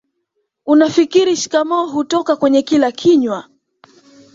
unafikiri shikamoo hutoka kwenye kila kinywa